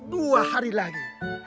dua hari lagi